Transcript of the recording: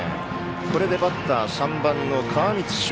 これでバッター３番の川満渚